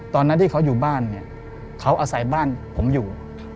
ตอนนั้นที่เขาอยู่บ้านเนี่ยเขาอาศัยบ้านผมอยู่